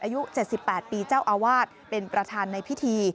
อายุ๗๘ปีเจ้าอาวาสเป็นประธานในพิธี